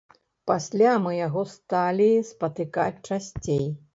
Пасля мы яго сталі спатыкаць часцей.